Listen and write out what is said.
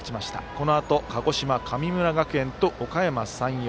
このあと鹿児島、神村学園とおかやま山陽。